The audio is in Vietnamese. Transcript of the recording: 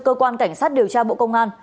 cơ quan cảnh sát điều tra bộ công an